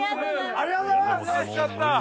ありがとうございます！